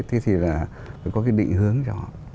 thế thì là phải có cái định hướng cho họ